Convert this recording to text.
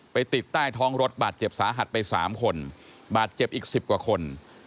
ติดใต้ท้องรถบาดเจ็บสาหัสไป๓คนบาดเจ็บอีก๑๐กว่าคน